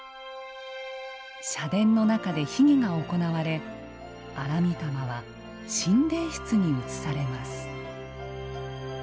社殿の中で秘儀が行われ荒御霊は神霊櫃に移されます。